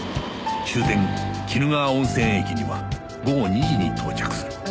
終点鬼怒川温泉駅には午後２時に到着する